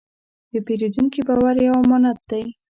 د پیرودونکي باور یو امانت دی.